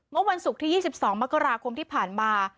เมื่อวันศุกร์ที่๒๒มกราคมที่ผ่านมา